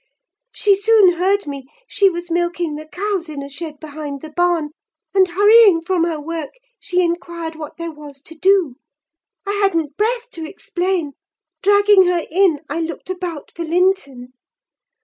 She soon heard me: she was milking the cows in a shed behind the barn, and hurrying from her work, she inquired what there was to do? I hadn't breath to explain; dragging her in, I looked about for Linton.